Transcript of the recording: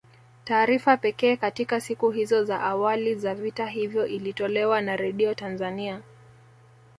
Taarifa pekee katika siku hizo za wali za vita hivyo ilitolewa na Redio Tanzania